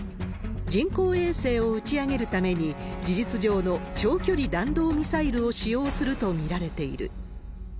人工衛星を打ち上げるために、事実上の長距離弾道ミサイルを使用すると見られている。